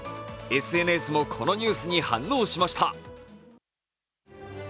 ＳＮＳも、このニュースに反応しました。